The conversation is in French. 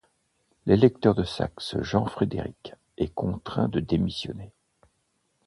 L'électeur de Saxe Jean-Frédéric est contraint de démissionner.